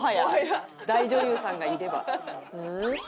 大女優さんがいれば。